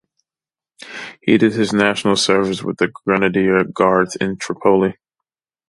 He did his National Service with the Grenadier Guards in Tripoli.